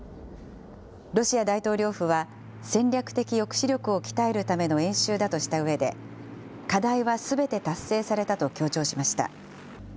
ロシア大統領府は戦略的抑止力を鍛えるための演習だとしたうえで、課題はすべて達成されたと強調しました。